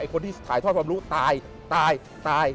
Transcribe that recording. คนที่ถ่ายทอดความรู้ตายตายตาย